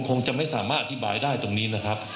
คงจะไม่สามารถอธิบายได้ตรงนี้นะครับ